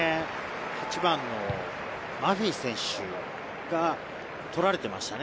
８番のマフィ選手が取られていましたね。